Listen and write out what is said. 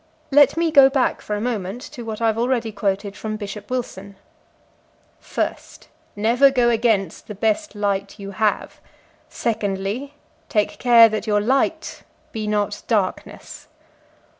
Let me go back for a moment to what I have already quoted from Bishop Wilson: "First, never go against the best light you have; secondly, take care that your light be not darkness."